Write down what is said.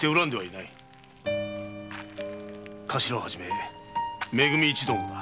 カシラを初め「め組」一同もだ。